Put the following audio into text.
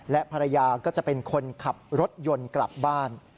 และภรรยาก็จะเป็นคนขับรถยนต์กลับบ้าน